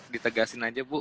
ditegaskan aja bu